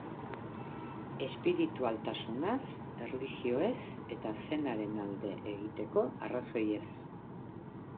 Espiritualtasunaz, erlijioez, eta zen-aren alde egiteko arrazoiez.